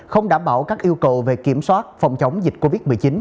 không đảm bảo các yêu cầu về kiểm soát phòng chống dịch covid một mươi chín